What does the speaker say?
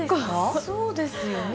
そうですよね。